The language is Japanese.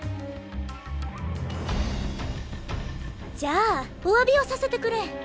じゃあお詫びをさせてくれ。